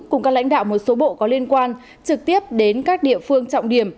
cùng các lãnh đạo một số bộ có liên quan trực tiếp đến các địa phương trọng điểm